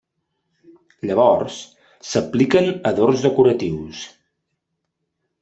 Llavors, s'apliquen adorns decoratius.